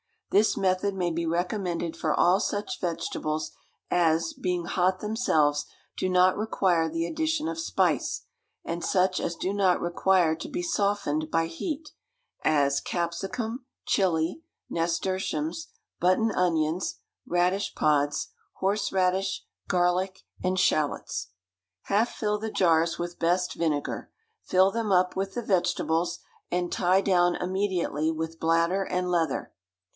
This method may be recommended for all such vegetables as, being hot themselves, do not require the addition of spice, and such as do not require to be softened by heat, as capsicum, chili, nasturtiums, button onions, radish pods, horseradish, garlic, and shalots. Half fill the jars with best vinegar, fill them up with the vegetables, and tie down immediately with bladder and leather.